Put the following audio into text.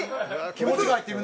気持ちが入ってるね。